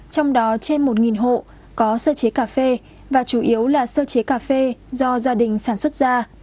trong đó trên một hộ có sơ chế cà phê và chủ yếu là sơ chế cà phê do gia đình sản xuất ra